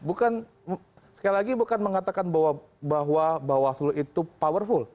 bukan sekali lagi bukan mengatakan bahwa bawaslu itu powerful